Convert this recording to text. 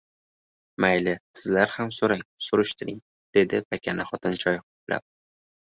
— Mayli, sizlar ham so‘rang, surishtiring, — dedi pakana xotin choy ho‘plab.